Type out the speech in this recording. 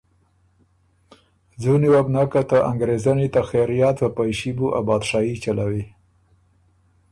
ځُونی وه بو نک که ته انګرېزنی ته خېریات په پئݭي بُو ا بادشايي چلوی